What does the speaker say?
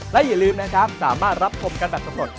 ฮึบฮึบนะครับสามารถรับคมกันแบบสมรส